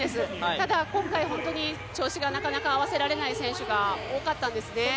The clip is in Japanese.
ただ、今回本当に調子がなかなか合わせられない選手が多かったんですね。